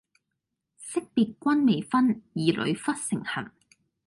昔別君未婚，兒女忽成行。